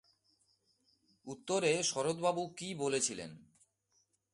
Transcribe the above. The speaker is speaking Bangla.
উত্তরে শরৎবাবু কি বলেছিলেন?